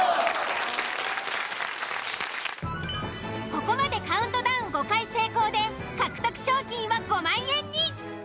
ここまでカウントダウン５回成功で獲得賞金は５万円に。